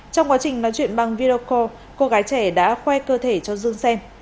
trong quá trình nói chuyện bằng video call cô gái trẻ đã khoe cơ thể cho dương xem